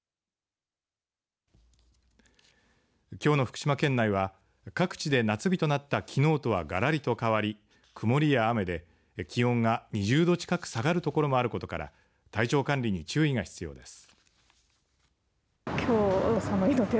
きょうの福島県内は各地で夏日となったきのうとはがらりと変わり曇りや雨で気温が２０度近く下がる所もあることから体調管理に注意が必要です。